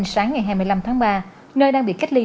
sáng ngày hai mươi năm tháng ba nơi đang bị cách ly